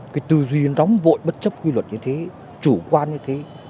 cái từ duyên đóng vội bất chấp quy luật như thế chủ quan như thế